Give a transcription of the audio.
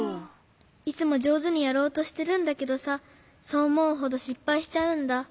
いつもじょうずにやろうとしてるんだけどさそうおもうほどしっぱいしちゃうんだ。